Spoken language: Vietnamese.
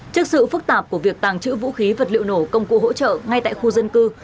trước sự phức tạp của việc tàng trữ vũ khí vật liệu nổ công cụ hỗ trợ ngay tại khu dân cư